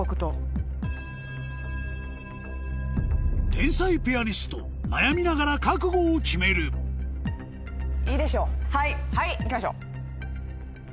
天才ピアニスト悩みながら覚悟を決めるいいでしょういきましょう。